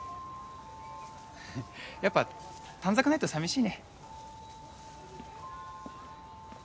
やっぱ短冊ないと寂しいね。